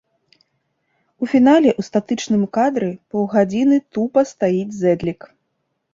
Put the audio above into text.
У фінале ў статычным кадры паўгадзіны тупа стаіць зэдлік.